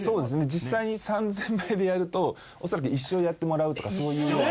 実際に３０００枚でやるとおそらく一生やってもらうとかそういうような。